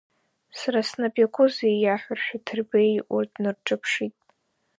Сара снап иакузеи иҳәарашәа, Ҭырбеи урҭ днырҿаԥшит.